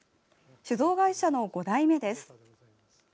酒造会社の５代目です。